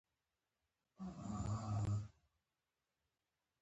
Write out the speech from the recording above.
د خط له لارې د دولت حافظه جوړېده.